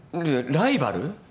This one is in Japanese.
ライバル？